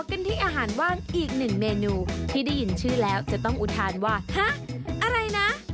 กันที่อาหารว่างอีกหนึ่งเมนูที่ได้ยินชื่อแล้วจะต้องอุทานว่าฮะอะไรนะ